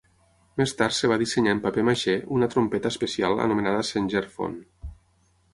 Més tard es va dissenyar en paper maixé una trompeta especial anomenada Sengerphone.